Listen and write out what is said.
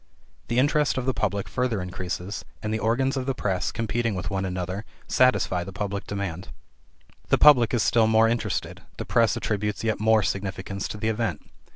The interest of the public further increases, and the organs of the press, competing with one another, satisfy the public demand. The public is still more interested; the press attributes yet more significance to the event.